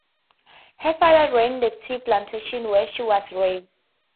Her father ran the tea plantation where she was raised.